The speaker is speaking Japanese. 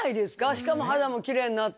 しかも肌もきれいになって。